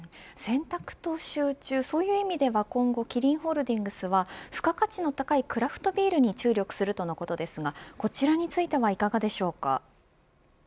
選択と集中そういう意味では今後、キリンホールディングスは付加価値の高いクラフトビールに注力するということですがこちらについてはいかがでしょうか。